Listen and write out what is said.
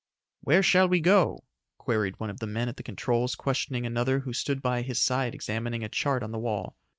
"Where shall we go?" queried one of the men at the controls questioning another who stood by his side examining a chart on the wall.